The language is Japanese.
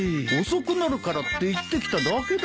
遅くなるからって言ってきただけだよ。